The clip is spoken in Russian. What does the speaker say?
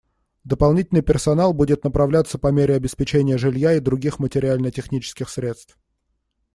Дополнительный персонал будет направляться по мере обеспечения жилья и других материально-технических средств.